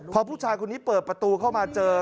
พอผู้ชายคนนี้เปิดประตูเข้ามาเจอ